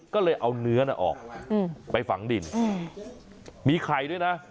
ก็เลยเอาเนื้อน่ะออกอืมไปฝังดินอืมมีไข่ด้วยน่ะ